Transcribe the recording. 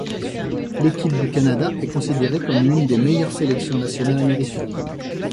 L'équipe du Canada est considérée comme l'une des meilleures sélections nationales américaines.